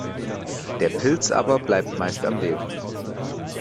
Der Pilz aber bleibt meist am Leben.